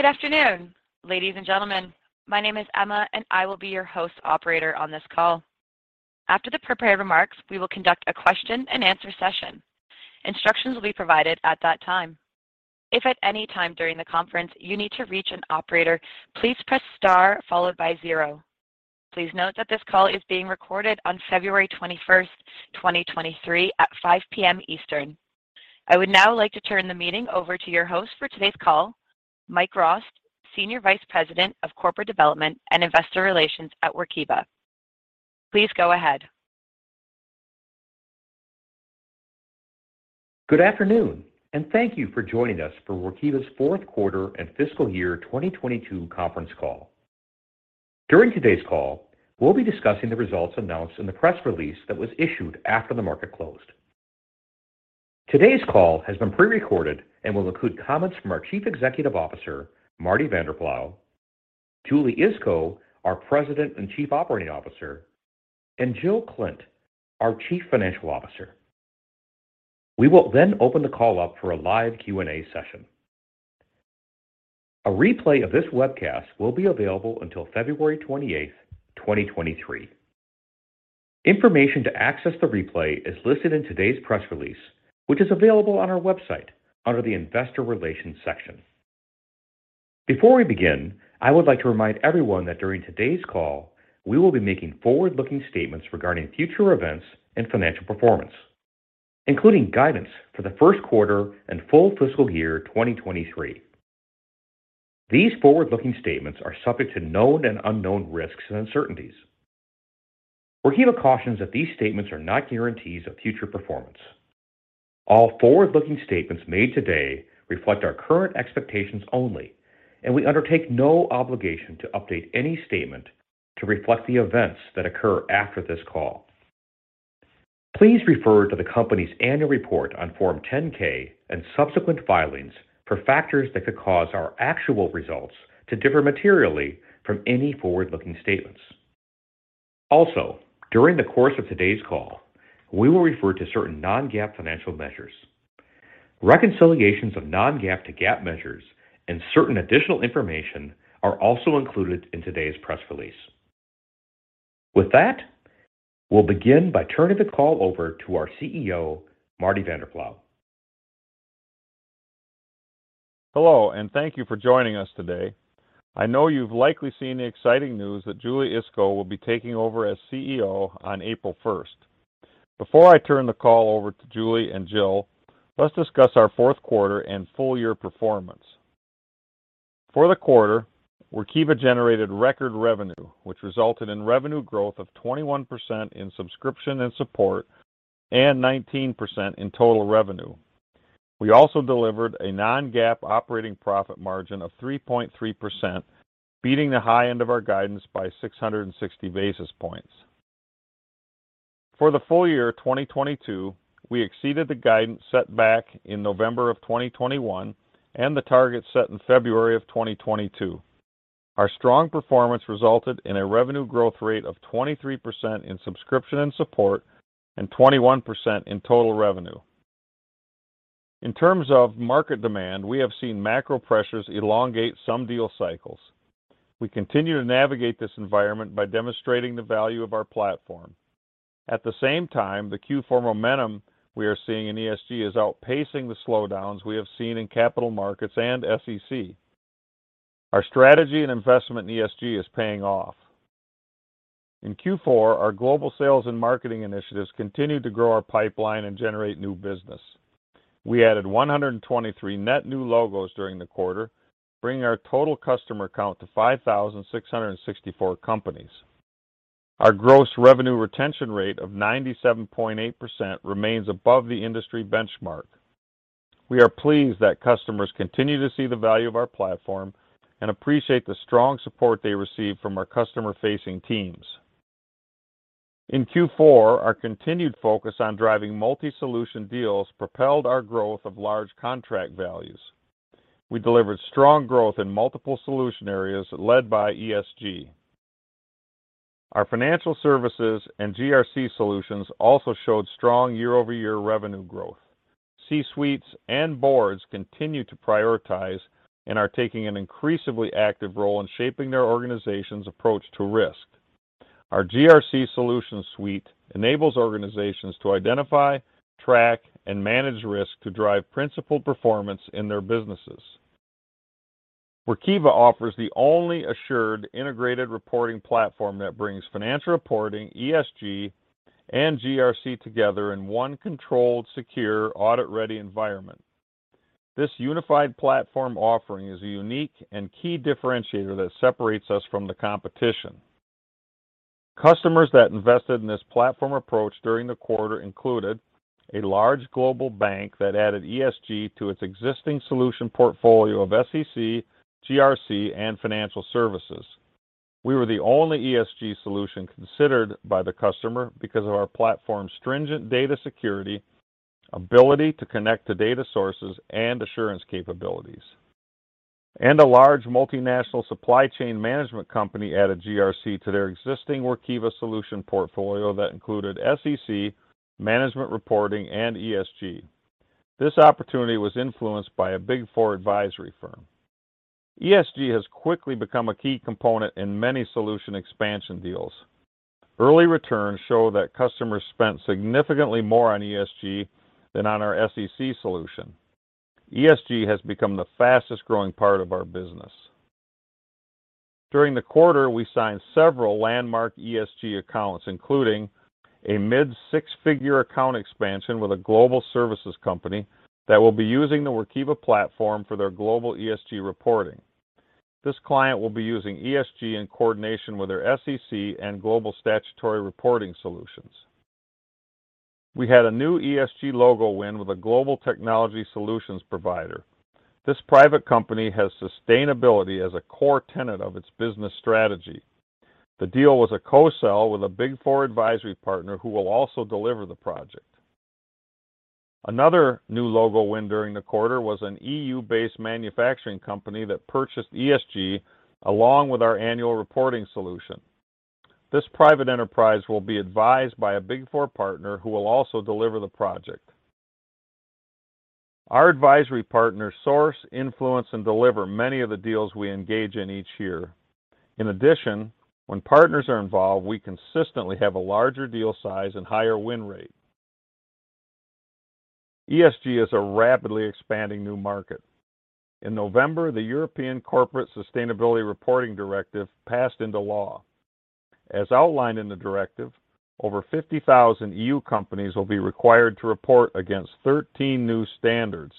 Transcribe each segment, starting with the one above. Good afternoon, ladies and gentlemen. My name is Emma, and I will be your host operator on this call. After the prepared remarks, we will conduct a question-and-answer session. Instructions will be provided at that time. If at any time during the conference you need to reach an operator, please press star followed by zero. Please note that this call is being recorded on February 21st, 2023 at 5:00 P.M. Eastern. I would now like to turn the meeting over to your host for today's call, Mike Rost, Senior Vice President of Corporate Development and Investor Relations at Workiva. Please go ahead. Good afternoon. Thank you for joining us for Workiva's Fourth Quarter and Fiscal Year 2022 Conference Call. During today's call, we'll be discussing the results announced in the press release that was issued after the market closed. Today's call has been pre-recorded and will include comments from our Chief Executive Officer, Marty Vanderploeg, Julie Iskow, our President and Chief Operating Officer, and Jill Klindt, our Chief Financial Officer. We will open the call up for a live Q&A session. A replay of this webcast will be available until February 28, 2023. Information to access the replay is listed in today's press release, which is available on our website under the Investor Relations section. Before we begin, I would like to remind everyone that during today's call, we will be making forward-looking statements regarding future events and financial performance, including guidance for the first quarter and full fiscal year 2023. These forward-looking statements are subject to known and unknown risks and uncertainties. Workiva cautions that these statements are not guarantees of future performance. All forward-looking statements made today reflect our current expectations only, and we undertake no obligation to update any statement to reflect the events that occur after this call. Please refer to the company's annual report on Form 10-K and subsequent filings for factors that could cause our actual results to differ materially from any forward-looking statements. Also, during the course of today's call, we will refer to certain non-GAAP financial measures. Reconciliations of non-GAAP to GAAP measures and certain additional information are also included in today's press release. With that, we'll begin by turning the call over to our CEO, Marty Vanderploeg. Hello, thank you for joining us today. I know you've likely seen the exciting news that Julie Iskow will be taking over as CEO on April first. Before I turn the call over to Julie and Jill, let's discuss our fourth quarter and full year performance. For the quarter, Workiva generated record revenue, which resulted in revenue growth of 21% in subscription and support and 19% in total revenue. We also delivered a non-GAAP operating profit margin of 3.3%, beating the high end of our guidance by 660 basis points. For the full year 2022, we exceeded the guidance set back in November 2021 and the target set in February 2022. Our strong performance resulted in a revenue growth rate of 23% in subscription and support and 21% in total revenue. In terms of market demand, we have seen macro pressures elongate some deal cycles. We continue to navigate this environment by demonstrating the value of our platform. At the same time, the Q4 momentum we are seeing in ESG is outpacing the slowdowns we have seen in capital markets and SEC. Our strategy and investment in ESG is paying off. In Q4, our global sales and marketing initiatives continued to grow our pipeline and generate new business. We added 123 net new logos during the quarter, bringing our total customer count to 5,664 companies. Our gross revenue retention rate of 97.8% remains above the industry benchmark. We are pleased that customers continue to see the value of our platform and appreciate the strong support they receive from our customer-facing teams. In Q4, our continued focus on driving multi-solution deals propelled our growth of large contract values. We delivered strong growth in multiple solution areas led by ESG. Our financial services and GRC solutions also showed strong year-over-year revenue growth. C-suites and boards continue to prioritize and are taking an increasingly active role in shaping their organization's approach to risk. Our GRC solution suite enables organizations to identify, track, and manage risk to drive principled performance in their businesses. Workiva offers the only Assured Integrated Reporting platform that brings financial reporting, ESG, and GRC together in one controlled, secure, audit-ready environment. This unified platform offering is a unique and key differentiator that separates us from the competition. Customers that invested in this platform approach during the quarter included a large global bank that added ESG to its existing solution portfolio of SEC, GRC, and financial services. We were the only ESG solution considered by the customer because of our platform's stringent data security, ability to connect to data sources, and assurance capabilities. A large multinational supply chain management company added GRC to their existing Workiva solution portfolio that included SECManagement Reporting and ESG. This opportunity was influenced by a Big Four advisory firm. ESG has quickly become a key component in many solution expansion deals. Early returns show that customers spent significantly more on ESG than on our SEC solution. ESG has become the fastest-growing part of our business. During the quarter, we signed several landmark ESG accounts, including a mid-six-figure account expansion with a global services company that will be using the Workiva platform for their global ESG reporting. This client will be using ESG in coordination with their SEC and global statutory reporting solutions. We had a new ESG logo win with a global technology solutions provider. This private company has sustainability as a core tenet of its business strategy. The deal was a co-sell with a Big Four advisory partner who will also deliver the project. Another new logo win during the quarter was an EU-based manufacturing company that purchased ESG along with our annual reporting solution. This private enterprise will be advised by a Big Four partner who will also deliver the project. Our advisory partners source, influence, and deliver many of the deals we engage in each year. In addition, when partners are involved, we consistently have a larger deal size and higher win rate. ESG is a rapidly expanding new market. In November, the European Corporate Sustainability Reporting Directive passed into law. As outlined in the directive, over 50,000 EU companies will be required to report against 13 new standards,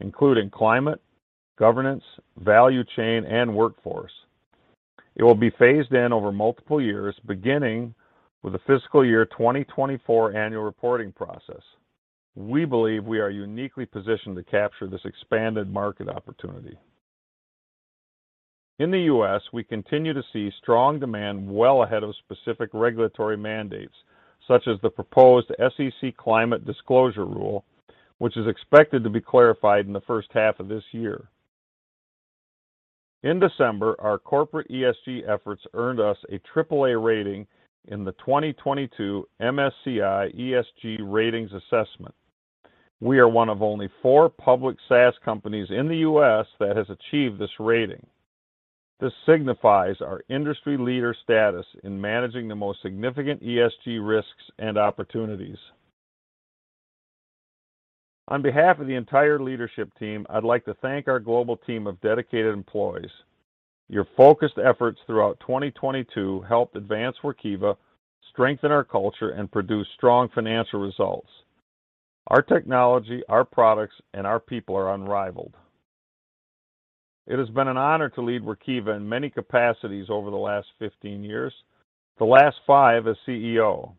including climate, governance, value chain, and workforce. It will be phased in over multiple years, beginning with the fiscal year 2024 annual reporting process. We believe we are uniquely positioned to capture this expanded market opportunity. In the U.S., we continue to see strong demand well ahead of specific regulatory mandates, such as the proposed S.E.C. Climate Disclosure rule, which is expected to be clarified in the first half of this year. In December, our corporate ESG efforts earned us a triple A rating in the 2022 MSCI ESG Ratings assessment. We are one of only four public SaaS companies in the U.S. that has achieved this rating. This signifies our industry leader status in managing the most significant ESG risks and opportunities. On behalf of the entire leadership team, I'd like to thank our global team of dedicated employees. Your focused efforts throughout 2022 helped advance Workiva, strengthen our culture, and produce strong financial results. Our technology, our products, and our people are unrivaled. It has been an honor to lead Workiva in many capacities over the last 15 years, the last five as CEO.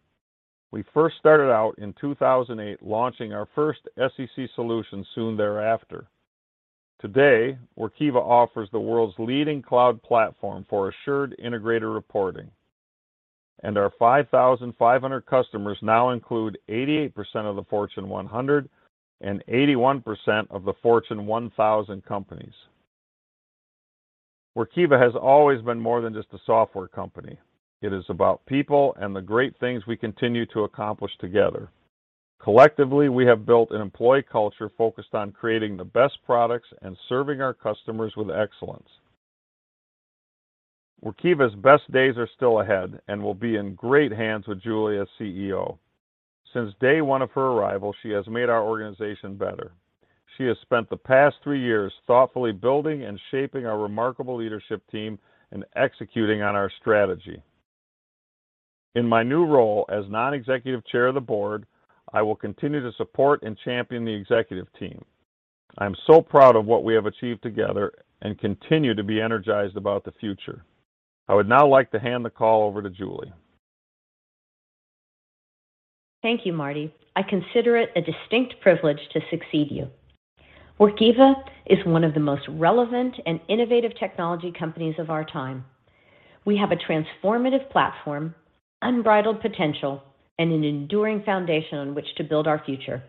We first started out in 2008, launching our first SEC solution soon thereafter. Today, Workiva offers the world's leading cloud platform for Assured Integrated Reporting, and our 5,500 customers now include 88% of the Fortune 100 and 81% of the Fortune 1000 companies. Workiva has always been more than just a software company. It is about people and the great things we continue to accomplish together. Collectively, we have built an employee culture focused on creating the best products and serving our customers with excellence. Workiva's best days are still ahead and will be in great hands with Julie as CEO. Since day one of her arrival, she has made our organization better. She has spent the past three years thoughtfully building and shaping our remarkable leadership team and executing on our strategy. In my new role as non-executive chair of the board, I will continue to support and champion the executive team. I'm so proud of what we have achieved together and continue to be energized about the future. I would now like to hand the call over to Julie. Thank you, Marty. I consider it a distinct privilege to succeed you. Workiva is one of the most relevant and innovative technology companies of our time. We have a transformative platform, unbridled potential, and an enduring foundation on which to build our future,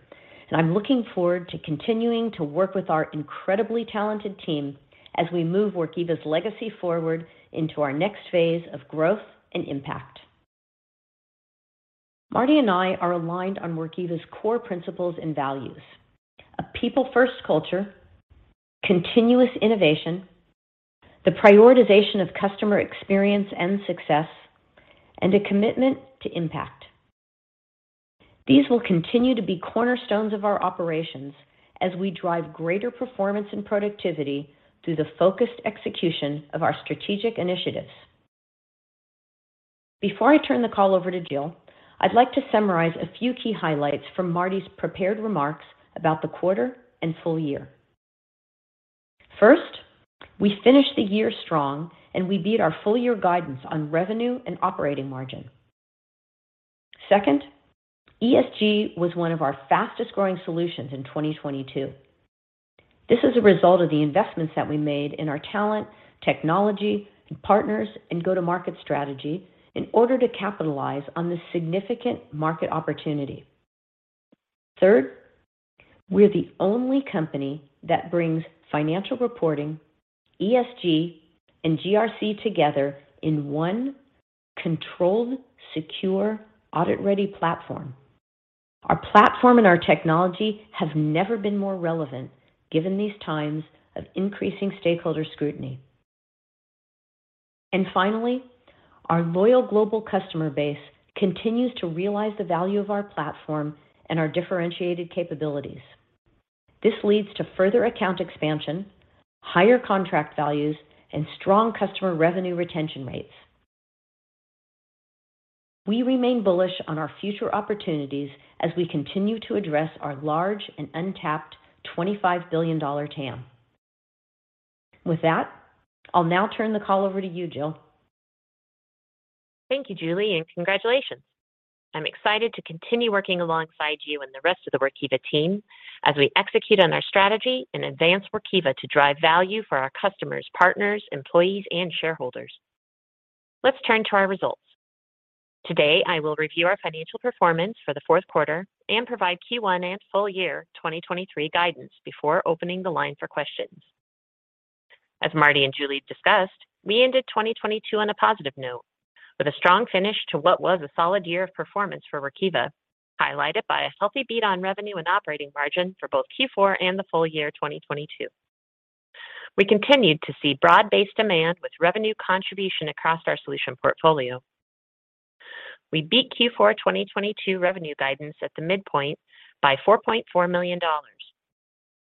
and I'm looking forward to continuing to work with our incredibly talented team as we move Workiva's legacy forward into our next phase of growth and impact. Marty and I are aligned on Workiva's core principles and values: a people-first culture, continuous innovation, the prioritization of customer experience and success, and a commitment to impact. These will continue to be cornerstones of our operations as we drive greater performance and productivity through the focused execution of our strategic initiatives. Before I turn the call over to Jill, I'd like to summarize a few key highlights from Marty's prepared remarks about the quarter and full year. First, we finished the year strong, and we beat our full-year guidance on revenue and operating margin. Second, ESG was one of our fastest-growing solutions in 2022. This is a result of the investments that we made in our talent, technology, partners, and go-to-market strategy in order to capitalize on this significant market opportunity. Third, we're the only company that brings financial reporting, ESG, and GRC together in one controlled, secure, audit-ready platform. Our platform and our technology have never been more relevant given these times of increasing stakeholder scrutiny. Finally, our loyal global customer base continues to realize the value of our platform and our differentiated capabilities. This leads to further account expansion, higher contract values, and strong customer revenue retention rates. We remain bullish on our future opportunities as we continue to address our large and untapped $25 billion TAM. With that, I'll now turn the call over to you, Jill. Thank you, Julie, and congratulations. I'm excited to continue working alongside you and the rest of the Workiva team as we execute on our strategy and advance Workiva to drive value for our customers, partners, employees, and shareholders. Let's turn to our results. Today, I will review our financial performance for the fourth quarter and provide Q1 and full year 2023 guidance before opening the line for questions. As Marty and Julie discussed, we ended 2022 on a positive note with a strong finish to what was a solid year of performance for Workiva, highlighted by a healthy beat on revenue and operating margin for both Q4 and the full year 2022. We continued to see broad-based demand with revenue contribution across our solution portfolio. We beat Q4 2022 revenue guidance at the midpoint by $4.4 million.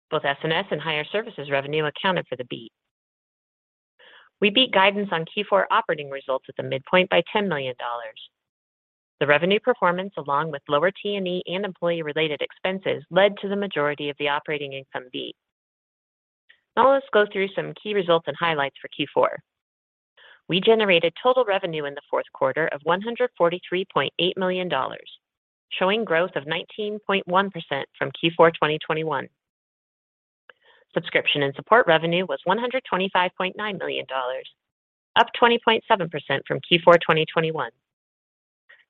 Both SNS and higher services revenue accounted for the beat. We beat guidance on Q4 operating results at the midpoint by $10 million. The revenue performance, along with lower T&E and employee-related expenses, led to the majority of the operating income beat. Let's go through some key results and highlights for Q4. We generated total revenue in the fourth quarter of $143.8 million, showing growth of 19.1% from Q4 2021. Subscription and support revenue was $125.9 million, up 20.7% from Q4 2021.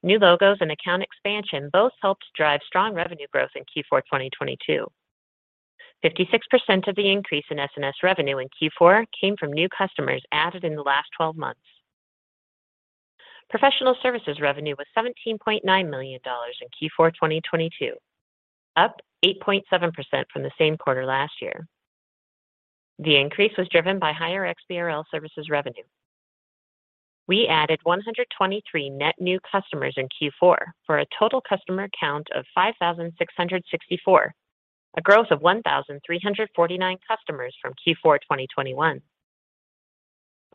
New logos and account expansion both helped drive strong revenue growth in Q4 2022. 56% of the increase in SNS revenue in Q4 came from new customers added in the last 12 months. Professional services revenue was $17.9 million in Q4 2022, up 8.7% from the same quarter last year. The increase was driven by higher XBRL services revenue. We added 123 net new customers in Q4 for a total customer count of 5,664, a growth of 1,349 customers from Q4 2021.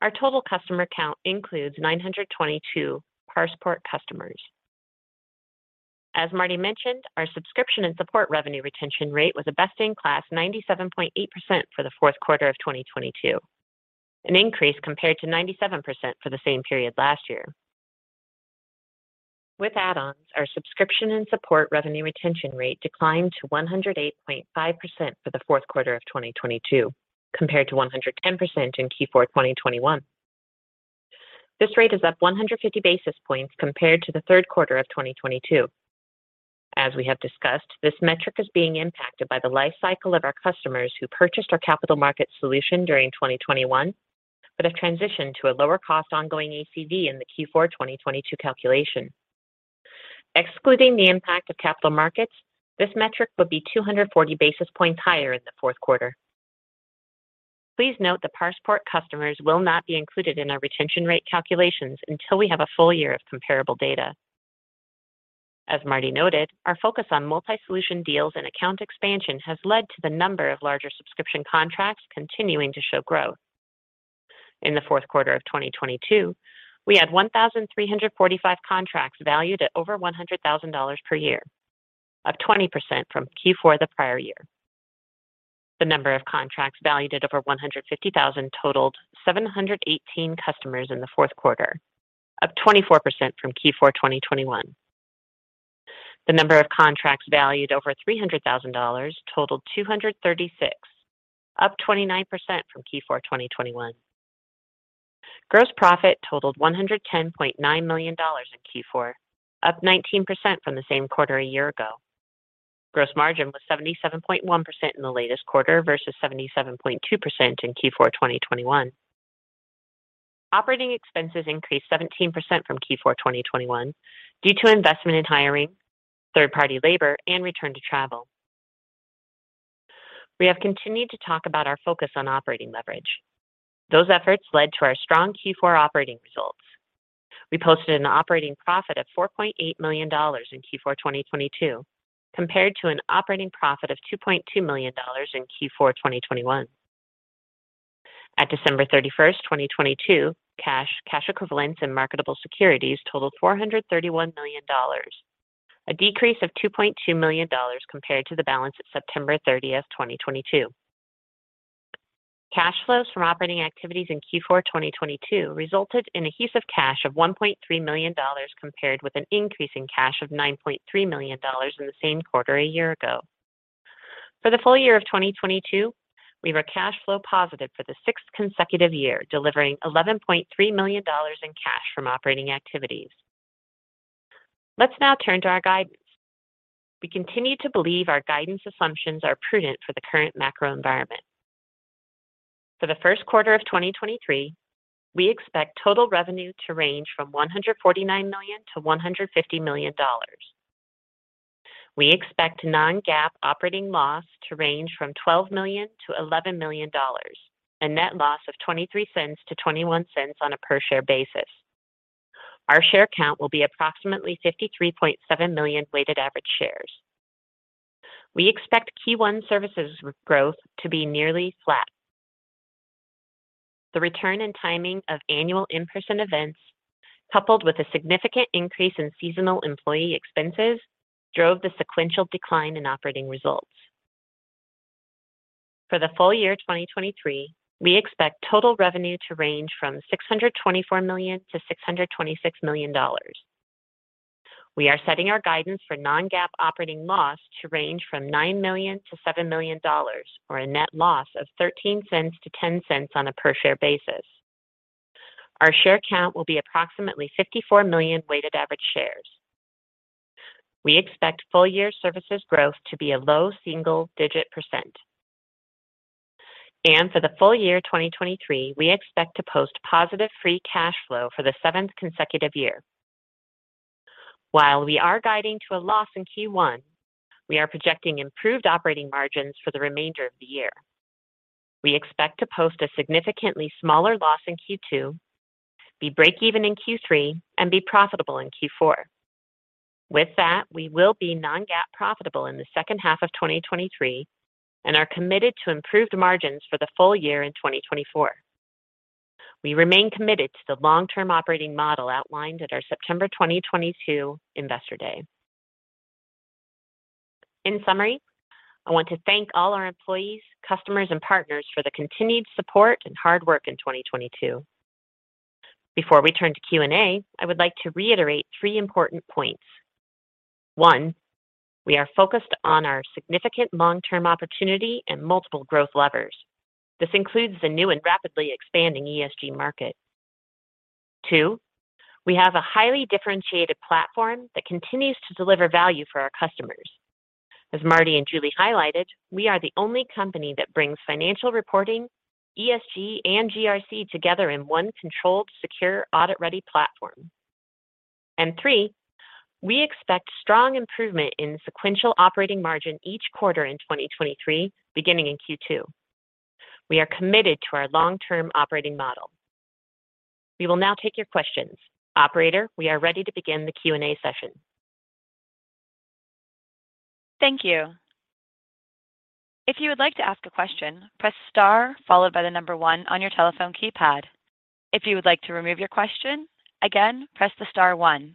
Our total customer count includes 922 ParsePort customers. As Marty mentioned, our subscription and support revenue retention rate was a best-in-class 97.8% for the fourth quarter of 2022, an increase compared to 97% for the same period last year. With add-ons, our subscription and support revenue retention rate declined to 108.5% for the fourth quarter of 2022 compared to 110% in Q4 2021. This rate is up 150 basis points compared to the third quarter of 2022. As we have discussed, this metric is being impacted by the life cycle of our customers who purchased our capital market solution during 2021, but have transitioned to a lower cost ongoing ACV in the Q4 2022 calculation. Excluding the impact of capital markets, this metric would be 240 basis points higher in the fourth quarter. Please note the ParsePort customers will not be included in our retention rate calculations until we have a full year of comparable data. As Marty noted, our focus on multi-solution deals and account expansion has led to the number of larger subscription contracts continuing to show growth. In the fourth quarter of 2022, we had 1,345 contracts valued at over $100,000 per year, up 20% from Q4 the prior year. The number of contracts valued at over $150,000 totaled 718 customers in the fourth quarter, up 24% from Q4 2021. The number of contracts valued over $300,000 totaled 236, up 29% from Q4 2021. Gross profit totaled $110.9 million in Q4, up 19% from the same quarter a year ago. Gross margin was 77.1% in the latest quarter versus 77.2% in Q4 2021. Operating expenses increased 17% from Q4 2021 due to investment in hiring, third-party labor, and return to travel. We have continued to talk about our focus on operating leverage. Those efforts led to our strong Q4 operating results. We posted an operating profit of $4.8 million in Q4 2022 compared to an operating profit of $2.2 million in Q4 2021. At December 31, 2022, cash equivalents, and marketable securities totaled $431 million, a decrease of $2.2 million compared to the balance at September 30, 2022. Cash flows from operating activities in Q4 2022 resulted in adhesive cash of $1.3 million compared with an increase in cash of $9.3 million in the same quarter a year ago. For the full year of 2022, we were cash flow positive for the 6th consecutive year, delivering $11.3 million in cash from operating activities. Let's now turn to our guidance. We continue to believe our guidance assumptions are prudent for the current macro environment. For the first quarter of 2023, we expect total revenue to range from $149 million-$150 million. We expect non-GAAP operating loss to range from $12 million-$11 million, a net loss of $0.23-$0.21 on a per-share basis. Our share count will be approximately 53.7 million weighted average shares. We expect Q1 services growth to be nearly flat. The return and timing of annual in-person events, coupled with a significant increase in seasonal employee expenses, drove the sequential decline in operating results. For the full year 2023, we expect total revenue to range from $624 million-$626 million. We are setting our guidance for non-GAAP operating loss to range from $9 million-$7 million, or a net loss of $0.13-$0.10 on a per-share basis. Our share count will be approximately 54 million weighted average shares. We expect full-year services growth to be a low single-digit %. For the full year 2023, we expect to post positive free cash flow for the seventh consecutive year. While we are guiding to a loss in Q1, we are projecting improved operating margins for the remainder of the year. We expect to post a significantly smaller loss in Q2, be breakeven in Q3, and be profitable in Q4. With that, we will be non-GAAP profitable in the second half of 2023 and are committed to improved margins for the full year in 2024. We remain committed to the long-term operating model outlined at our September 2022 Investor Day. In summary, I want to thank all our employees, customers, and partners for the continued support and hard work in 2022. Before we turn to Q&A, I would like to reiterate three important points. One, we are focused on our significant long-term opportunity and multiple growth levers. This includes the new and rapidly expanding ESG market. Two, we have a highly differentiated platform that continues to deliver value for our customers. As Marty and Julie highlighted, we are the only company that brings financial reporting, ESG, and GRC together in one controlled, secure, audit-ready platform. Three, we expect strong improvement in sequential operating margin each quarter in 2023, beginning in Q2. We are committed to our long-term operating model. We will now take your questions. Operator, we are ready to begin the Q&A session. Thank you. If you would like to ask a question, press star followed by the number one on your telephone keypad. If you would like to remove your question, again, press the star one.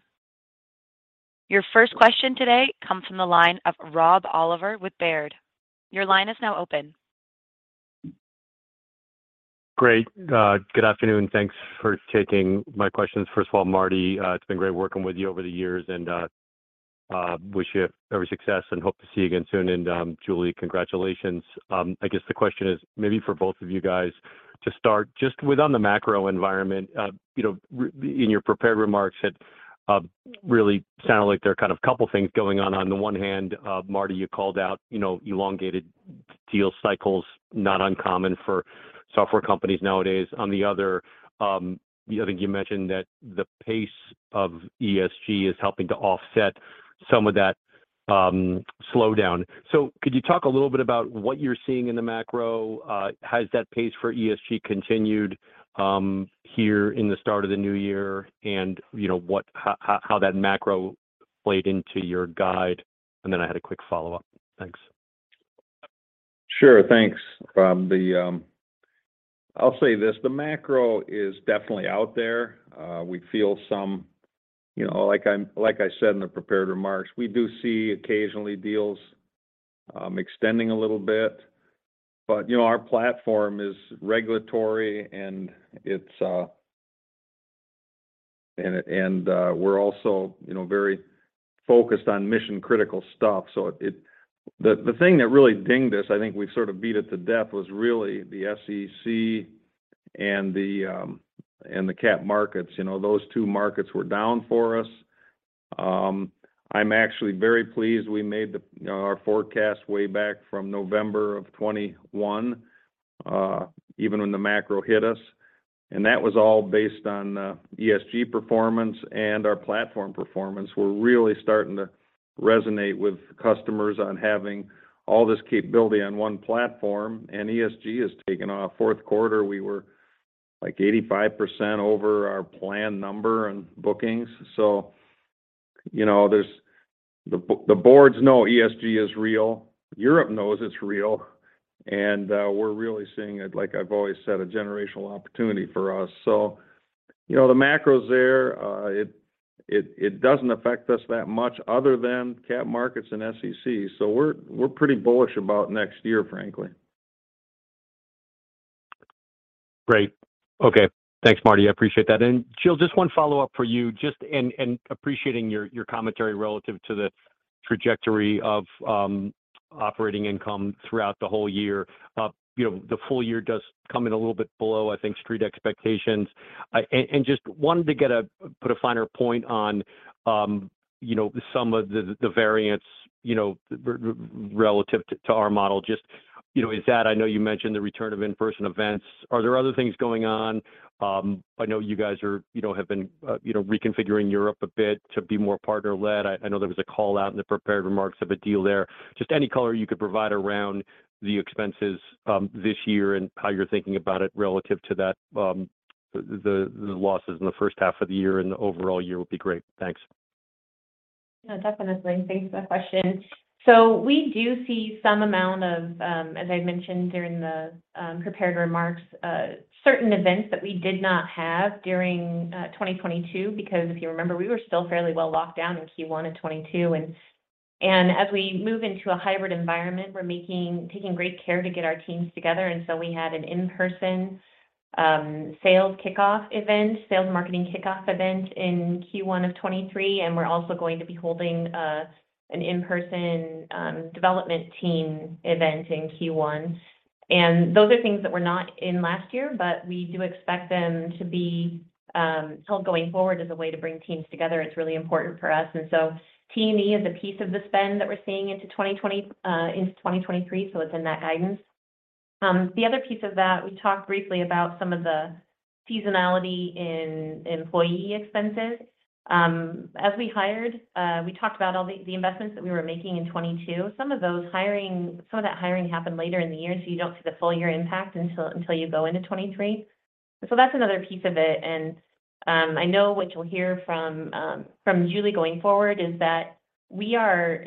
Your first question today comes from the line of Rob Oliver with Baird. Your line is now open. Great. Good afternoon. Thanks for taking my questions. First of all, Marty, it's been great working with you over the years and wish you every success and hope to see you again soon. Julie, congratulations. I guess the question is maybe for both of you guys to start just with on the macro environment. You know, in your prepared remarks, it really sounded like there are kind of couple things going on. On the one hand, Marty, you called out, you know, elongated deal cycles, not uncommon for software companies nowadays. On the other, I think you mentioned that the pace of ESG is helping to offset some of that slowdown. Could you talk a little bit about what you're seeing in the macro? Has that pace for ESG continued, here in the start of the new year? You know, how that macro played into your guide? Then I had a quick follow-up. Thanks. Sure. Thanks, Rob. I'll say this, the macro is definitely out there. We feel some, you know, like I said in the prepared remarks, we do see occasionally deals extending a little bit. You know, our platform is regulatory and it's, and, we're also, you know, very focused on mission-critical stuff. The thing that really dinged us, I think we've sort of beat it to death, was really the SEC and the, and the cap markets. You know, those two markets were down for us. I'm actually very pleased we made the, our forecast way back from November of 2021, even when the macro hit us, and that was all based on ESG performance and our platform performance. We're really starting to resonate with customers on having all this capability on one platform, and ESG has taken off. Fourth quarter, we were, like, 85% over our planned number in bookings. You know, the boards know ESG is real, Europe knows it's real, and we're really seeing it, like I've always said, a generational opportunity for us. You know, the macro's there. It doesn't affect us that much other than cap markets and SEC. We're pretty bullish about next year, frankly. Great. Okay. Thanks, Marty. I appreciate that. Jill, just one follow-up for you and appreciating your commentary relative to the trajectory of operating income throughout the whole year. You know, the full year does come in a little bit below, I think, street expectations. And just wanted to get a finer point on, you know, some of the variance, you know, relative to our model just, you know, is that I know you mentioned the return of in-person events. Are there other things going on? I know you guys are, you know, have been, you know, reconfiguring Europe a bit to be more partner-led. I know there was a call out in the prepared remarks of a deal there. Just any color you could provide around the expenses, this year and how you're thinking about it relative to that, the losses in the first half of the year and the overall year would be great. Thanks. Yeah, definitely. Thanks for the question. We do see some amount of, as I mentioned during the prepared remarks, certain events that we did not have during 2022, because if you remember, we were still fairly well locked down in Q1 of 2022. As we move into a hybrid environment, taking great care to get our teams together. We had an in-person sales kickoff event, sales marketing kickoff event in Q1 of 2023, and we're also going to be holding an in-person development team event in Q1. Those are things that were not in last year, but we do expect them to be held going forward as a way to bring teams together. It's really important for us. T&E is a piece of the spend that we're seeing into 2023, so it's in that guidance. The other piece of that, we talked briefly about some of the seasonality in employee expenses. As we hired, we talked about all the investments that we were making in 2022. Some of that hiring happened later in the year, and so you don't see the full year impact until you go into 2023. That's another piece of it. I know what you'll hear from Julie going forward is that we are,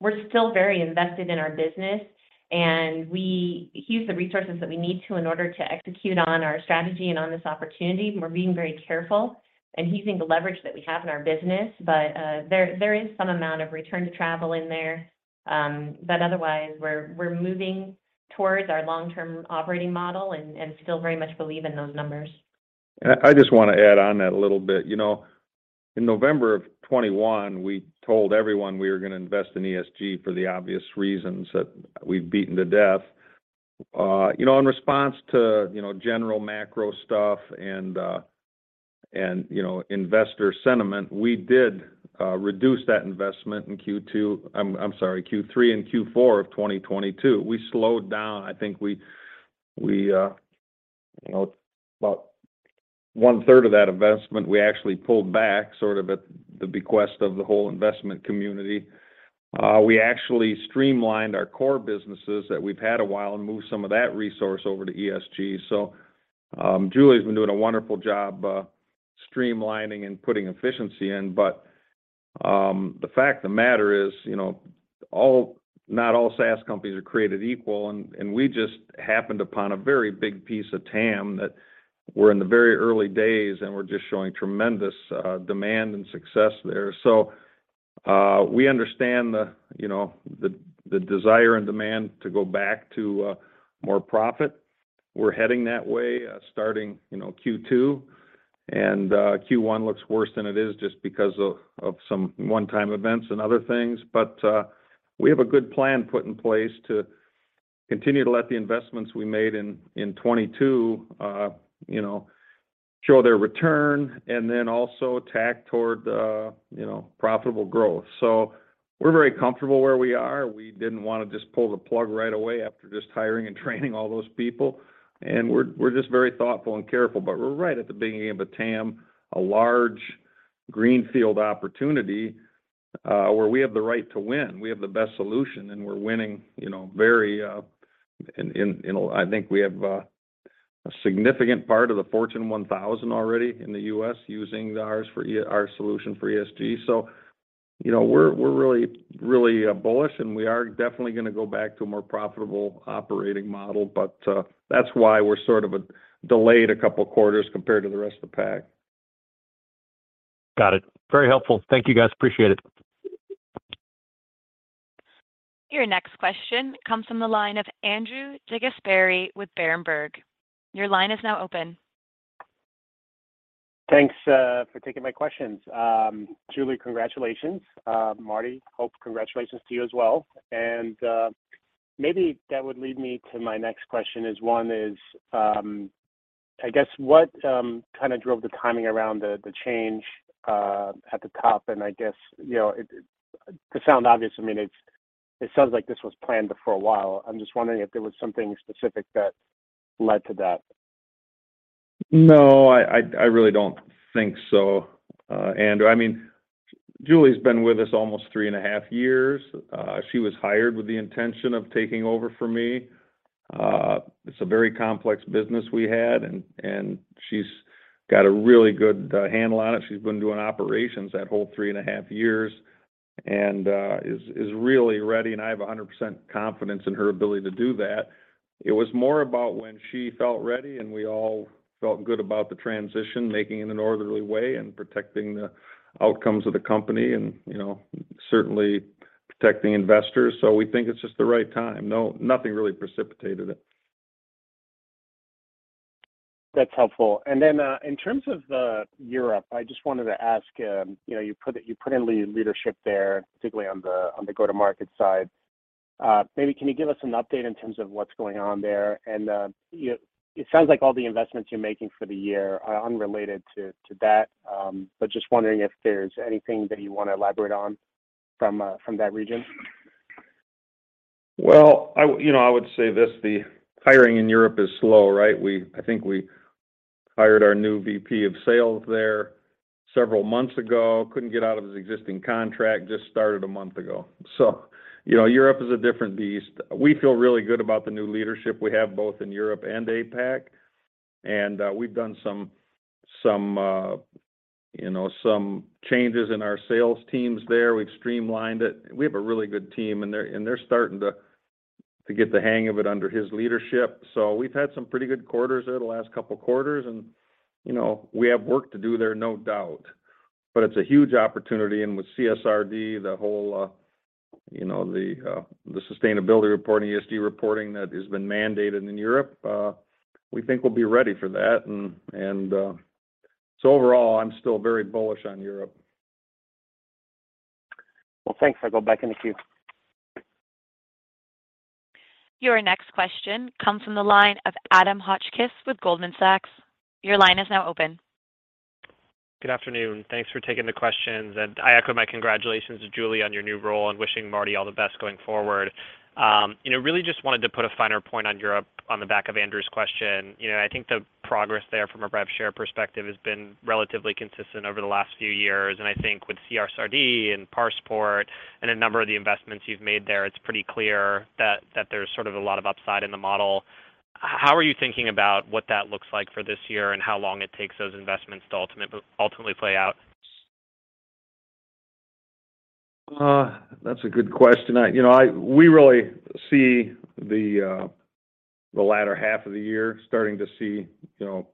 we're still very invested in our business, and we use the resources that we need to in order to execute on our strategy and on this opportunity. We're being very careful and using the leverage that we have in our business. There is some amount of return to travel in there. Otherwise, we're moving towards our long-term operating model and still very much believe in those numbers. I just wanna add on that a little bit. You know, in November of 2021, we told everyone we were gonna invest in ESG for the obvious reasons that we've beaten to death. You know, in response to, you know, general macro stuff and, you know, investor sentiment, we did reduce that investment in Q2. I'm sorry, Q3 and Q4 of 2022. We slowed down. I think we, you know, about one-third of that investment, we actually pulled back sort of at the bequest of the whole investment community. We actually streamlined our core businesses that we've had a while and moved some of that resource over to ESG. Julie's been doing a wonderful job streamlining and putting efficiency in. The fact of the matter is, you know, not all SaaS companies are created equal, and we just happened upon a very big piece of TAM that we're in the very early days, and we're just showing tremendous demand and success there. We understand the, you know, the desire and demand to go back to more profit. We're heading that way, starting, you know, Q2. Q1 looks worse than it is just because of some one-time events and other things. We have a good plan put in place to continue to let the investments we made in 2022, you know, show their return and then also tack toward, you know, profitable growth. We're very comfortable where we are. We didn't wanna just pull the plug right away after just hiring and training all those people. We're just very thoughtful and careful. We're right at the beginning of a TAM, a large greenfield opportunity, where we have the right to win. We have the best solution, and we're winning, you know, very. You know, I think we have a significant part of the Fortune 1000 already in the US using our solution for ESG. You know, we're really bullish, and we are definitely gonna go back to a more profitable operating model. That's why we're sort of delayed a couple quarters compared to the rest of the pack. Got it. Very helpful. Thank you, guys. Appreciate it. Your next question comes from the line of Andrew DeGasperi with Berenberg. Your line is now open. Thanks for taking my questions. Julie, congratulations. Marty Vanderploeg, congratulations to you as well. Maybe that would lead me to my next question is one is, I guess what kind of drove the timing around the change at the top? I guess, you know, I mean, it sounds like this was planned for a while. I'm just wondering if there was something specific that led to that. No, I really don't think so, Andrew. I mean, Julie's been with us almost three and a half years. She was hired with the intention of taking over for me. It's a very complex business we had, and she's got a really good handle on it. She's been doing operations that whole three and a half years and is really ready, and I have 100% confidence in her ability to do that. It was more about when she felt ready, and we all felt good about the transition, making it in an orderly way and protecting the outcomes of the company. You know, certainly protecting investors. We think it's just the right time. No, nothing really precipitated it. That's helpful. Then, in terms of Europe, I just wanted to ask, you know, you put in leadership there, particularly on the go-to-market side. Maybe can you give us an update in terms of what's going on there? It sounds like all the investments you're making for the year are unrelated to that, but just wondering if there's anything that you wanna elaborate on from that region. Well, I, you know, I would say this, the hiring in Europe is slow, right? I think we hired our new VP of sales there several months ago. Couldn't get out of his existing contract, just started a month ago. You know, Europe is a different beast. We feel really good about the new leadership we have both in Europe and APAC. We've done some, you know, changes in our sales teams there. We've streamlined it. We have a really good team, and they're starting to get the hang of it under his leadership. We've had some pretty good quarters there the last couple quarters and, you know, we have work to do there, no doubt. It's a huge opportunity, and with CSRD, the whole, you know, the sustainability reporting, ESG reporting that has been mandated in Europe, we think we'll be ready for that. Overall, I'm still very bullish on Europe. Well, thanks. I go back in the queue. Your next question comes from the line of Adam Hotchkiss with Goldman Sachs. Your line is now open. Good afternoon. Thanks for taking the questions, I echo my congratulations to Julie on your new role and wishing Marty all the best going forward. You know, really just wanted to put a finer point on Europe on the back of Andrew's question. You know, I think the progress there from a rev share perspective has been relatively consistent over the last few years. I think with CSRD and ParsePort and a number of the investments you've made there, it's pretty clear that there's sort of a lot of upside in the model. How are you thinking about what that looks like for this year and how long it takes those investments to ultimately play out? That's a good question. I, you know, we really see the latter half of the year starting to see, you know,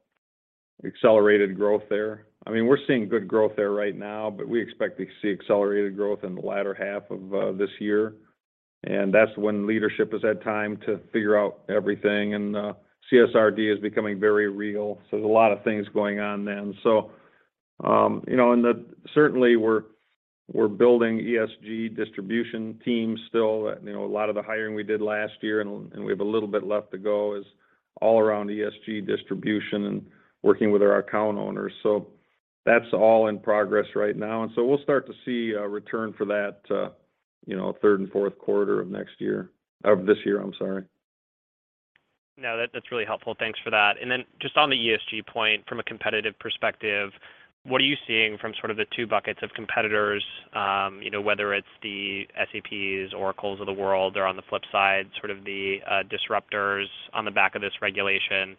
accelerated growth there. I mean, we're seeing good growth there right now, but we expect to see accelerated growth in the latter half of this year. That's when leadership has had time to figure out everything and CSRD is becoming very real. There's a lot of things going on then. You know, certainly we're building ESG distribution teams still. You know, a lot of the hiring we did last year, and we have a little bit left to go, is all around ESG distribution and working with our account owners. That's all in progress right now. We'll start to see a return for that, you know, third and fourth quarter of next year, or this year, I'm sorry. No, that's really helpful. Thanks for that. Just on the ESG point from a competitive perspective, what are you seeing from sort of the two buckets of competitors, you know, whether it's the SAPs, Oracles of the world or on the flip side, sort of the disruptors on the back of this regulation,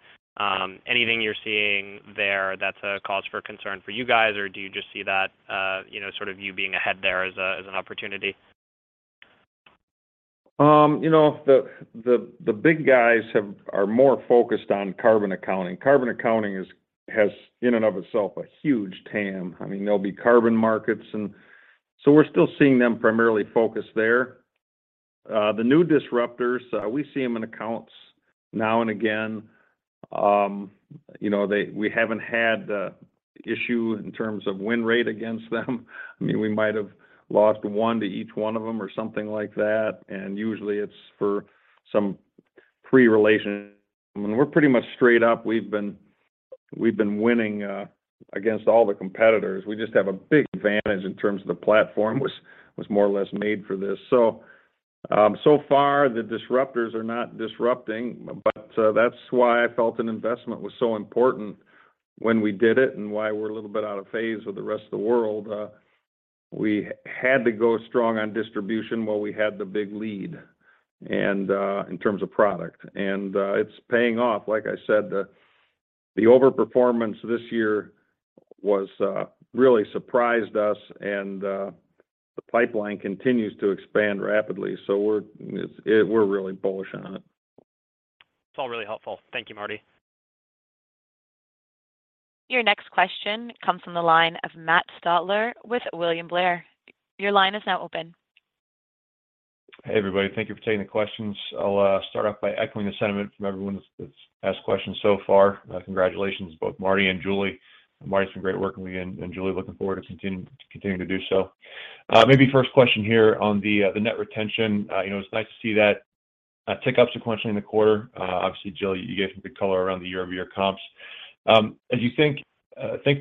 anything you're seeing there that's a cause for concern for you guys, or do you just see that, you know, sort of you being ahead there as an opportunity? You know, the, the big guys are more focused on carbon accounting. Carbon accounting has in and of itself a huge TAM. I mean, there'll be carbon markets we're still seeing them primarily focused there. The new disruptors, we see them in accounts now and again. You know, we haven't had the issue in terms of win rate against them. I mean, we might have lost one to each one of them or something like that, usually it's for some pre-relation. I mean, we're pretty much straight up. We've been winning against all the competitors. We just have a big advantage in terms of the platform was more or less made for this. So far the disruptors are not disrupting, but that's why I felt an investment was so important when we did it and why we're a little bit out of phase with the rest of the world. We had to go strong on distribution while we had the big lead in terms of product. It's paying off. Like I said, the overperformance this year was really surprised us and the pipeline continues to expand rapidly. We're really bullish on it. It's all really helpful. Thank you, Marty. Your next question comes from the line of Matt Stotler with William Blair. Your line is now open. Hey, everybody. Thank you for taking the questions. I'll start off by echoing the sentiment from everyone that's asked questions so far. Congratulations both Marty and Julie. Marty, it's been great working with you, and Julie, looking forward to continuing to do so. Maybe first question here on the net retention. You know, it's nice to see that tick up sequentially in the quarter. Obviously, Julie, you gave some good color around the year-over-year comps. As you think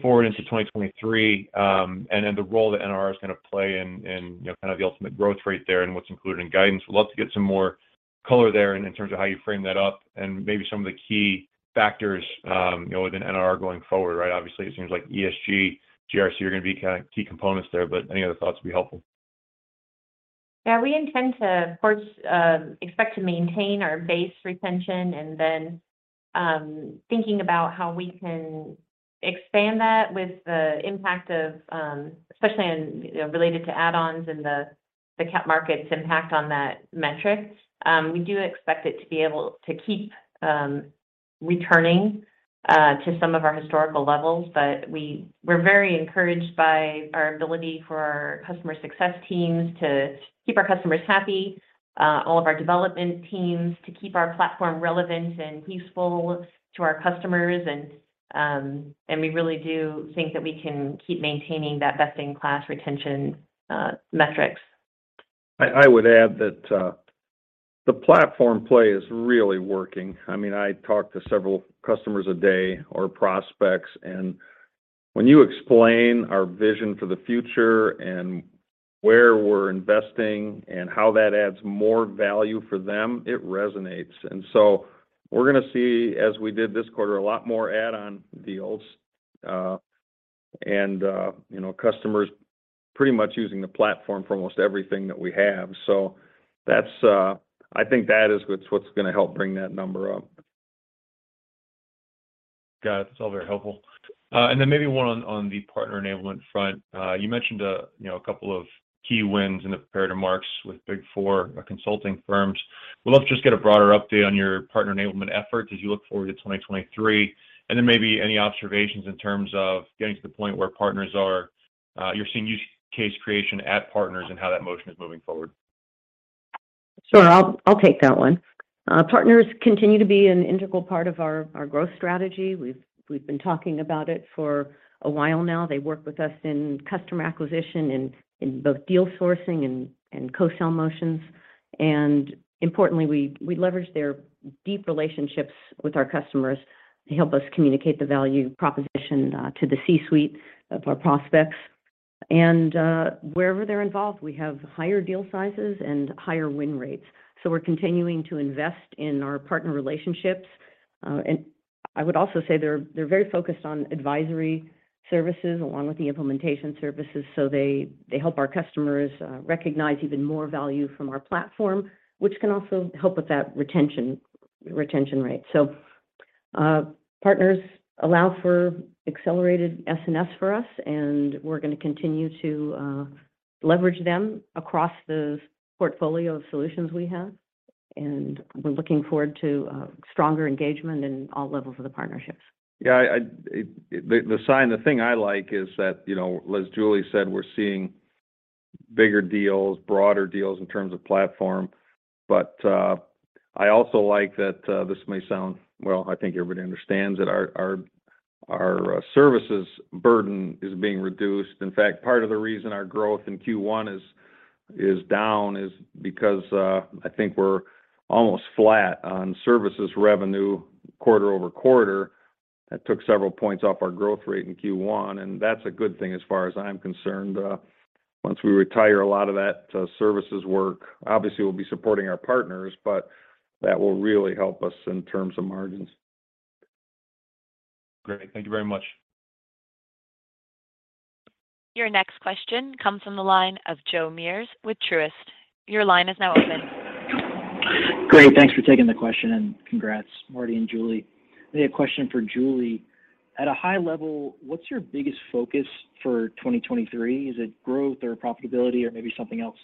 forward into 2023, and then the role that NRR is gonna play in, you know, kind of the ultimate growth rate there and what's included in guidance, would love to get some more color there in terms of how you frame that up and maybe some of the key factors, you know, within NRR going forward. Obviously, it seems like ESG, GRC are gonna be kinda key components there, but any other thoughts would be helpful. We intend to, of course, expect to maintain our base retention, thinking about how we can expand that with the impact of, especially in, you know, related to add-ons and the cap markets impact on that metric. We do expect it to be able to keep returning to some of our historical levels, but we're very encouraged by our ability for our customer success teams to keep our customers happy, all of our development teams to keep our platform relevant and useful to our customers. We really do think that we can keep maintaining that best-in-class retention metrics. I would add that the platform play is really working. I mean, I talk to several customers a day or prospects, and when you explain our vision for the future and where we're investing and how that adds more value for them, it resonates. We're gonna see, as we did this quarter, a lot more add-on deals, and, you know, customers pretty much using the platform for almost everything that we have. That's. I think that is what's gonna help bring that number up. Got it. It's all very helpful. Maybe one on the partner enablement front. You mentioned, you know, a couple of key wins in the period of marks with Big Four consulting firms. Would love to just get a broader update on your partner enablement efforts as you look forward to 2023, maybe any observations in terms of getting to the point where partners are, you're seeing use case creation at partners and how that motion is moving forward. Sure. I'll take that one. Partners continue to be an integral part of our growth strategy. We've been talking about it for a while now. They work with us in customer acquisition in both deal sourcing and co-sell motions. Importantly, we leverage their deep relationships with our customers to help us communicate the value proposition to the C-suite of our prospects. Wherever they're involved, we have higher deal sizes and higher win rates. We're continuing to invest in our partner relationships. I would also say they're very focused on advisory services along with the implementation services, so they help our customers recognize even more value from our platform, which can also help with that retention rate. Partners allow for accelerated SNS for us, and we're gonna continue to leverage them across the portfolio of solutions we have, and we're looking forward to stronger engagement in all levels of the partnerships. Yeah, I... The thing I like is that, you know, as Julie said, we're seeing bigger deals, broader deals in terms of platform. I also like that, this may sound... Well, I think everybody understands that our services burden is being reduced. In fact, part of the reason our growth in Q1 is down is because, I think we're almost flat on services revenue quarter-over-quarter. That took several points off our growth rate in Q1, and that's a good thing as far as I'm concerned. Once we retire a lot of that services work, obviously we'll be supporting our partners, but that will really help us in terms of margins. Great. Thank you very much. Your next question comes from the line of Joe Meares with Truist. Your line is now open. Great. Thanks for taking the question, congrats, Marty and Julie. I had a question for Julie. At a high level, what's your biggest focus for 2023? Is it growth or profitability or maybe something else?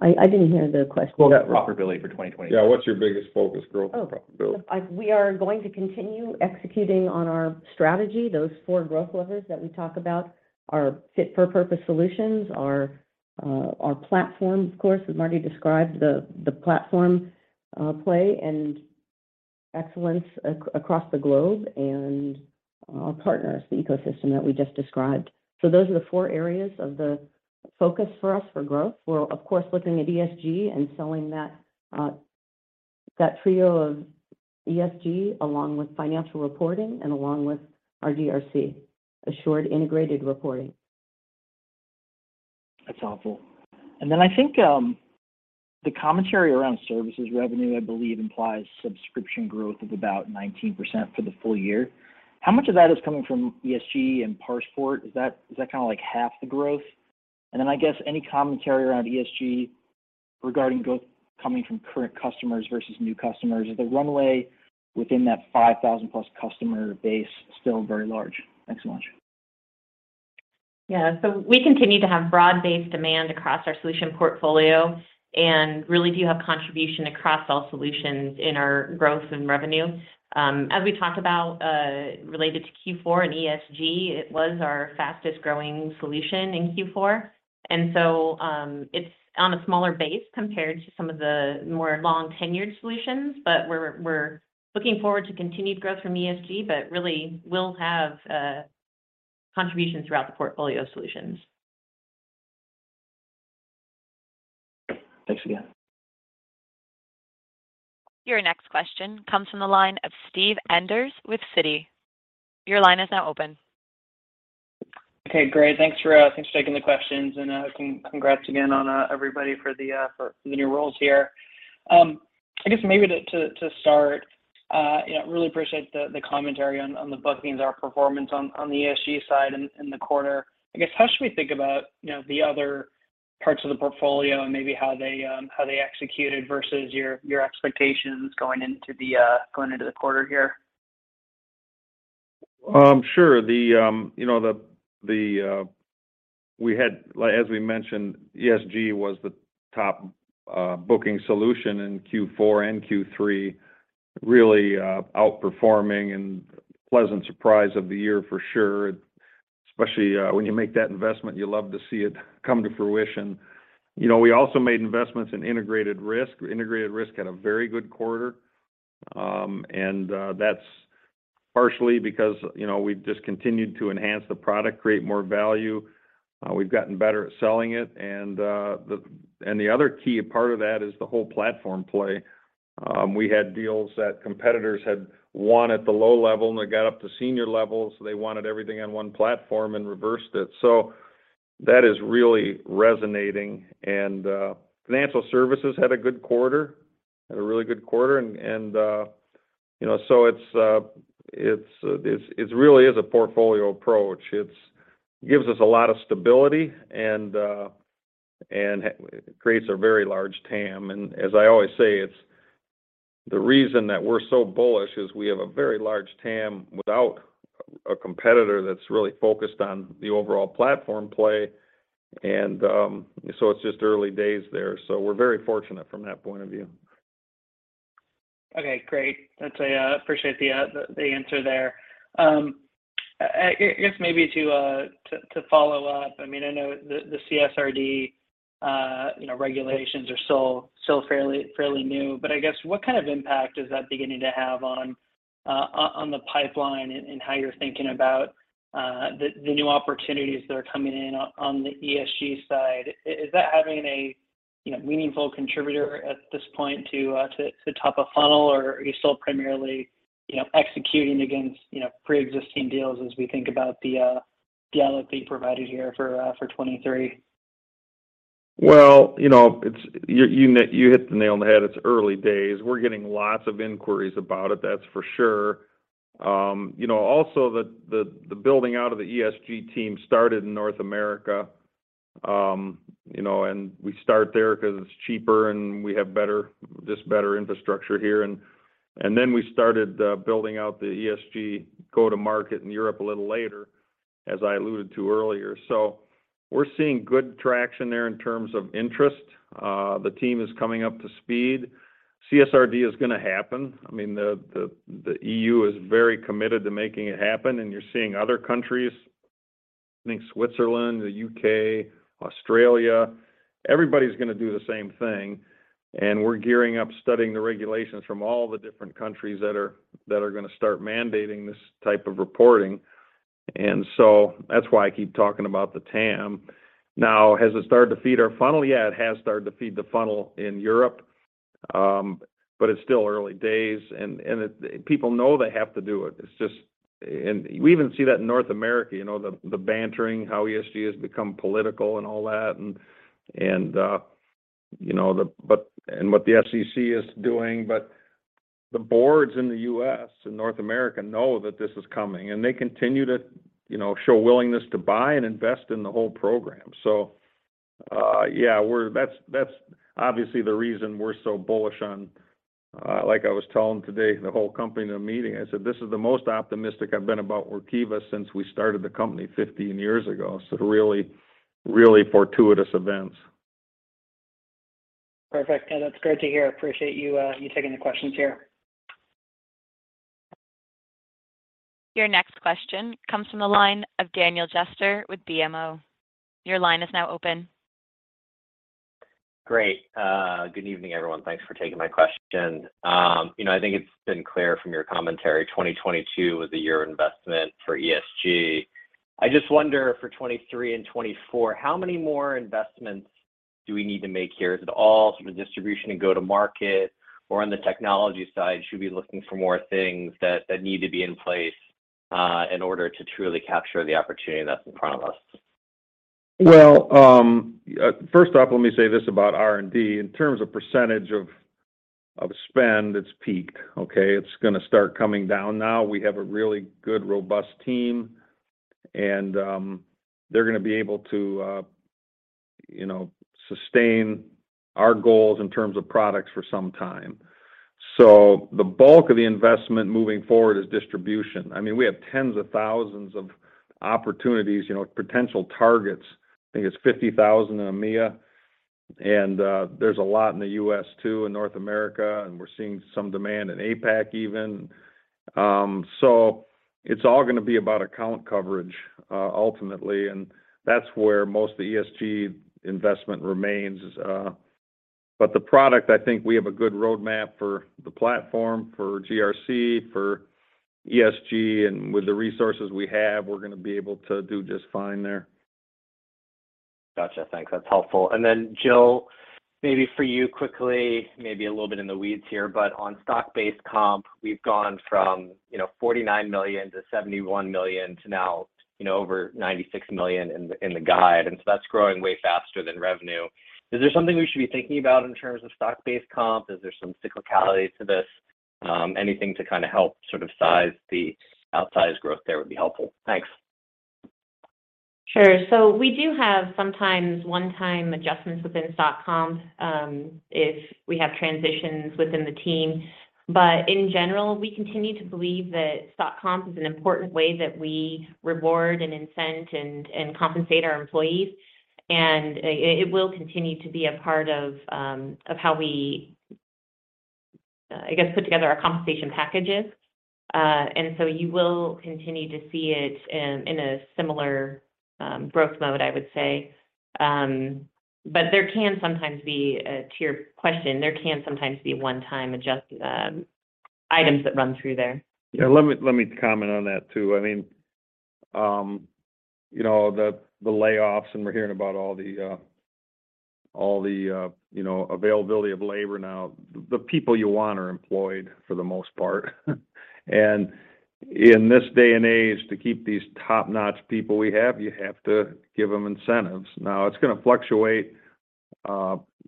I didn't hear the question. Well, profitability for 2023. Yeah. What's your biggest focus, growth or profitability? Oh. We are going to continue executing on our strategy. Those four growth levers that we talk about are fit for purpose solutions, our platform, of course, as Marty described, the platform play, and excellence across the globe and our partners, the ecosystem that we just described. Those are the four areas of the focus for us for growth. We're, of course, looking at ESG and selling that trio of ESG along with financial reporting and along with our GRC, Assured Integrated Reporting. That's all. Cool. Then I think the commentary around services revenue, I believe, implies subscription growth of about 19% for the full year. How much of that is coming from ESG and ParsePort? Is that kinda like half the growth? Then I guess any commentary around ESG regarding growth coming from current customers versus new customers. Is the runway within that 5,000+ customer base still very large? Thanks so much. We continue to have broad-based demand across our solution portfolio and really do have contribution across all solutions in our growth and revenue. As we talked about, related to Q4 and ESG, it was our fastest-growing solution in Q4. It's on a smaller base compared to some of the more long-tenured solutions, but we're looking forward to continued growth from ESG, but really we'll have contribution throughout the portfolio solutions. Thanks again. Your next question comes from the line of Steven Enders with Citi. Your line is now open. Okay. Great. Thanks, to you all. Thanks for taking the questions, and congrats again on everybody for the new roles here. I guess maybe to start, you know, really appreciate the commentary on the bookings, our performance on the ESG side in the quarter. I guess, how should we think about, you know, the other parts of the portfolio and maybe how they executed versus your expectations going into the quarter here? Sure. You know, we had, like as we mentioned, ESG was the top booking solution in Q4 and Q3, really outperforming and pleasant surprise of the year for sure. Especially, when you make that investment, you love to see it come to fruition. You know, we also made investments in Integrated Risk. Integrated Risk had a very good quarter, and that's partially because, you know, we've just continued to enhance the product, create more value. We've gotten better at selling it and the other key part of that is the whole platform play. We had deals that competitors had won at the low level, and they got up to senior levels, so they wanted everything on one platform and reversed it. That is really resonating. Financial services had a good quarter, had a really good quarter. You know, so it's really is a portfolio approach. It's gives us a lot of stability and creates a very large TAM. As I always say, it's the reason that we're so bullish is we have a very large TAM without a competitor that's really focused on the overall platform play. So it's just early days there. We're very fortunate from that point of view. Okay, great. That's appreciate the answer there. I guess maybe to follow up. I mean, I know the CSRD, you know, regulations are still fairly new, but I guess what kind of impact is that beginning to have on the pipeline and how you're thinking about the new opportunities that are coming in on the ESG side? Is that having a, you know, meaningful contributor at this point to top a funnel or are you still primarily, you know, executing against, you know, preexisting deals as we think about the outlook you provided here for 2023? Well, you know, you hit the nail on the head. It's early days. We're getting lots of inquiries about it, that's for sure. you know, also the building out of the ESG team started in North America. you know, and we start there 'cause it's cheaper, and we have just better infrastructure here. We started building out the ESG go-to-market in Europe a little later, as I alluded to earlier. We're seeing good traction there in terms of interest. The team is coming up to speed. CSRD is gonna happen. I mean, the EU is very committed to making it happen, and you're seeing other countries, I think Switzerland, the UK, Australia, everybody's gonna do the same thing. We're gearing up studying the regulations from all the different countries that are gonna start mandating this type of reporting. That's why I keep talking about the TAM. Now, has it started to feed our funnel? Yeah, it has started to feed the funnel in Europe. It's still early days and people know they have to do it. We even see that in North America, you know, the bantering how ESG has become political and all that. You know, and what the SEC is doing. The boards in the U.S. and North America know that this is coming, and they continue to, you know, show willingness to buy and invest in the whole program. Yeah, that's obviously the reason we're so bullish on, like I was telling today the whole company in a meeting, I said, "This is the most optimistic I've been about Workiva since we started the company 15 years ago." Really fortuitous events. Perfect. That's great to hear. Appreciate you taking the questions here. Your next question comes from the line of Daniel Jester with BMO. Your line is now open. Great. good evening, everyone. Thanks for taking my question. you know, I think it's been clear from your commentary, 2022 was a year of investment for ESG. I just wonder for 2023 and 2024, how many more investments do we need to make here? Is it all sort of distribution and go to market or on the technology side, should we be looking for more things that need to be in place, in order to truly capture the opportunity that's in front of us? Well, first off, let me say this about R&D. In terms of percentage of spend, it's peaked, okay? It's gonna start coming down now. We have a really good, robust team, and they're gonna be able to, you know, sustain our goals in terms of products for some time. The bulk of the investment moving forward is distribution. I mean, we have tens of thousands of opportunities, you know, potential targets. I think it's 50,000 in EMEA, and there's a lot in the U.S. too, in North America, and we're seeing some demand in APAC even. It's all gonna be about account coverage, ultimately, and that's where most of the ESG investment remains. The product, I think we have a good roadmap for the platform, for GRC, for ESG. With the resources we have, we're going to be able to do just fine there. Gotcha. Thanks. That's helpful. Jill, maybe for you quickly, maybe a little bit in the weeds here, but on stock-based comp, we've gone from, you know, $49 million to $71 million to now, you know, over $96 million in the guide, and so that's growing way faster than revenue. Is there something we should be thinking about in terms of stock-based comp? Is there some cyclicality to this? Anything to kinda help sort of size the outsized growth there would be helpful. Thanks. We do have sometimes one-time adjustments within stock comp, if we have transitions within the team. In general, we continue to believe that stock comp is an important way that we reward and incent and compensate our employees. And it will continue to be a part of how we, I guess, put together our compensation packages. You will continue to see it in a similar growth mode, I would say. To your question, there can sometimes be one-time items that run through there. Let me, let me comment on that too. I mean, you know, the layoffs, and we're hearing about all the, all the, you know, availability of labor now. The people you want are employed for the most part. In this day and age, to keep these top-notch people we have, you have to give them incentives. It's gonna fluctuate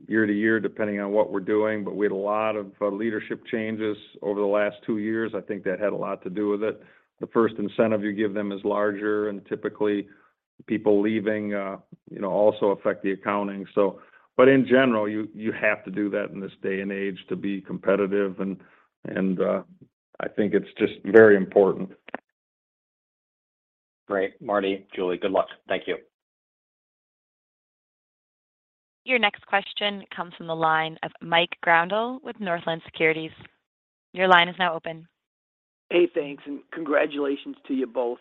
year to year depending on what we're doing, but we had a lot of leadership changes over the last two years. I think that had a lot to do with it. The first incentive you give them is larger and typically people leaving, you know, also affect the accounting. But in general, you have to do that in this day and age to be competitive and I think it's just very important. Great. Marty, Julie, good luck. Thank you. Your next question comes from the line of Michael Grondahl with Northland Securities. Your line is now open. Hey, thanks, and congratulations to you both.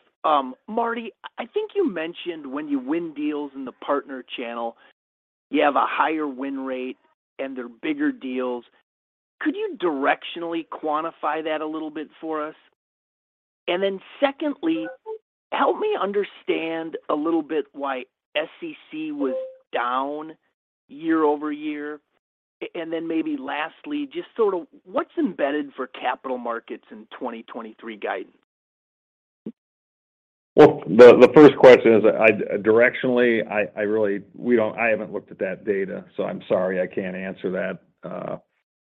Marty, I think you mentioned when you win deals in the partner channel, you have a higher win rate and they're bigger deals. Could you directionally quantify that a little bit for us? Secondly, help me understand a little bit why SEC was down year-over-year. Then maybe lastly, just sort of what's embedded for capital markets in 2023 guidance? The first question is directionally I haven't looked at that data, so I'm sorry I can't answer that.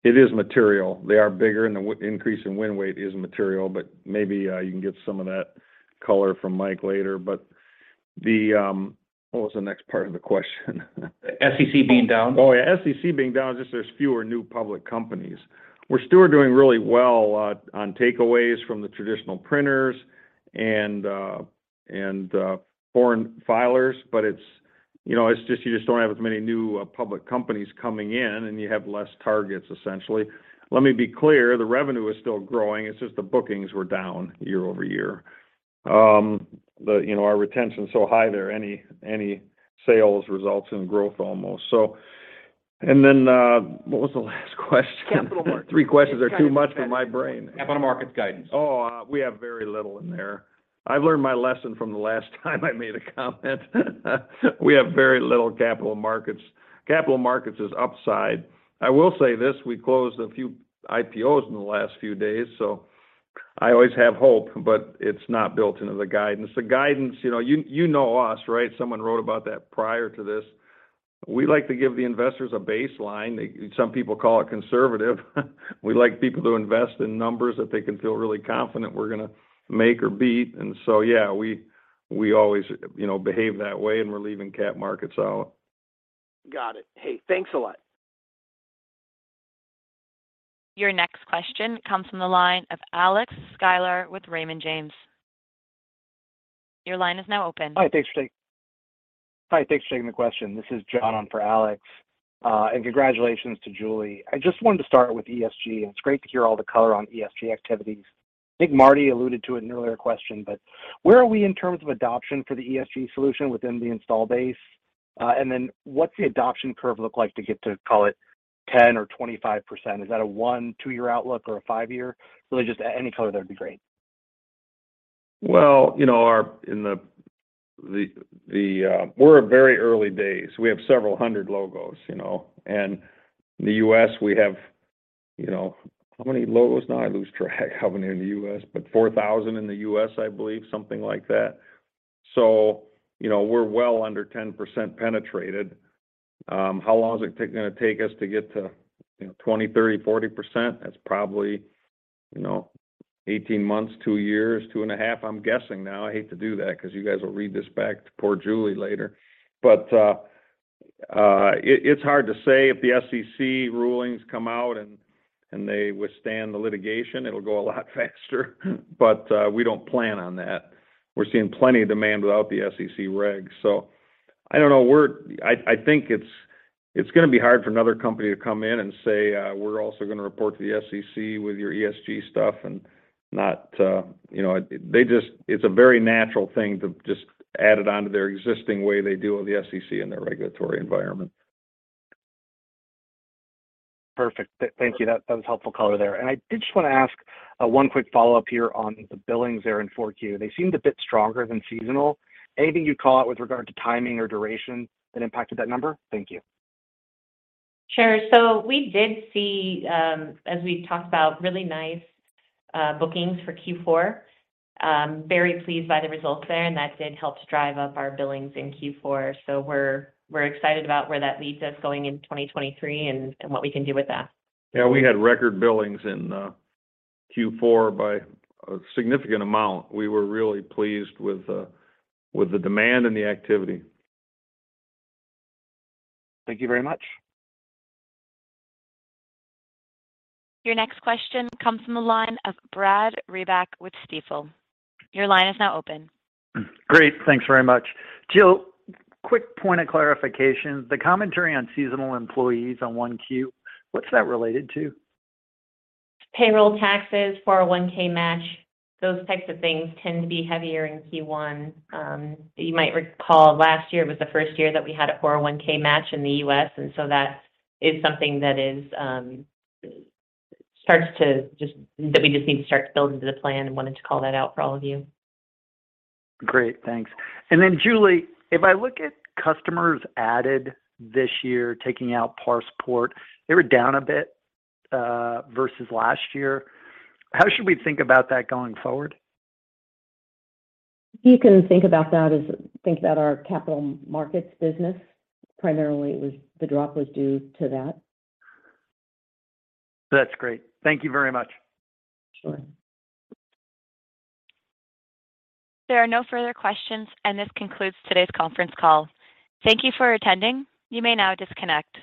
It is material. They are bigger, and the increase in win rate is material, but maybe you can get some of that color from Mike Rost later. What was the next part of the question? SEC being down. Oh, yeah. SEC being down, just there's fewer new public companies. We're still doing really well, on takeaways from the traditional printers and foreign filers, but it's, you know, it's just you just don't have as many new, public companies coming in, and you have less targets, essentially. Let me be clear, the revenue is still growing. It's just the bookings were down year-over-year. The, you know, our retention is so high there, any sales results in growth almost. What was the last question? Capital markets guidance. Three questions are too much for my brain. Capital markets guidance. We have very little in there. I've learned my lesson from the last time I made a comment. We have very little capital markets. Capital markets is upside. I will say this, we closed a few IPOs in the last few days, but it's not built into the guidance. The guidance, you know, you know us, right? Someone wrote about that prior to this. We like to give the investors a baseline. Some people call it conservative. We like people to invest in numbers that they can feel really confident we're gonna make or beat. Yeah, we always, you know, behave that way, and we're leaving cap markets out. Got it. Hey, thanks a lot. Your next question comes from the line of Alex Sklar with Raymond James. Your line is now open. Hi. Thanks for taking the question. This is John on for Alex. Congratulations to Julie. I just wanted to start with ESG, and it's great to hear all the color on ESG activities. I think Marty alluded to it in an earlier question, but where are we in terms of adoption for the ESG solution within the install base? What's the adoption curve look like to get to, call it, 10% or 25%? Is that a 1, 2-year outlook or a 5-year? Really just any color there would be great. Well, you know, we're at very early days. We have several hundred logos, you know. In the U.S., we have, you know... How many logos now? I lose track how many are in the U.S. 4,000 in the U.S., I believe, something like that. You know, we're well under 10% penetrated. How long is it gonna take us to get to, you know, 20%, 30%, 40%? That's probably, you know, 18 months, two years, two and a half, I'm guessing now. I hate to do that 'cause you guys will read this back to poor Julie later. It's hard to say. If the SEC rulings come out and they withstand the litigation, it'll go a lot faster. We don't plan on that. We're seeing plenty of demand without the SEC regs. I don't know, I think it's gonna be hard for another company to come in and say, "We're also gonna report to the SEC with your ESG stuff," and not, you know. It's a very natural thing to just add it onto their existing way they deal with the SEC and their regulatory environment. Perfect. Thank you. That was helpful color there. I did just want to ask, one quick follow-up here on the billings there in 4Q. They seemed a bit stronger than seasonal. Anything you'd call out with regard to timing or duration that impacted that number? Thank you. Sure. We did see, as we talked about, really nice bookings for Q4. I'm very pleased by the results there, and that did help drive up our billings in Q4. We're excited about where that leads us going into 2023 and what we can do with that. Yeah. We had record billings in Q4 by a significant amount. We were really pleased with the demand and the activity. Thank you very much. Your next question comes from the line of Brad Reback with Stifel. Your line is now open. Great. Thanks very much. Jill, quick point of clarification. The commentary on seasonal employees on 1Q, what's that related to? Payroll taxes, 401k match, those types of things tend to be heavier in Q1. You might recall last year was the first year that we had a 401k match in the U.S., that is something that is that we just need to start to build into the plan and wanted to call that out for all of you. Great. Thanks. Julie, if I look at customers added this year, taking out ParsePort, they were down a bit versus last year. How should we think about that going forward? You can think about that as think about our capital markets business. Primarily it was the drop was due to that. That's great. Thank you very much. Sure. There are no further questions, and this concludes today's conference call. Thank you for attending. You may now disconnect.